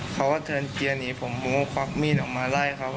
เขาก็เชิญเกียร์หนีผมผมก็ควักมีดออกมาไล่เขา